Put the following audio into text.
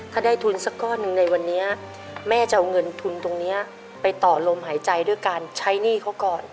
ถ้าได้ทุนสักก้อนหนึ่งในวันนี้แม่จะเอาเงินทุนตรงนี้ไปต่อลมหายใจด้วยการใช้หนี้เขาก่อน